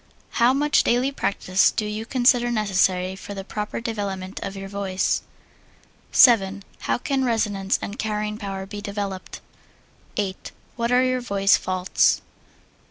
How much daily practise do you consider necessary for the proper development of your voice? 7. How can resonance and carrying power be developed? 8. What are your voice faults? 9.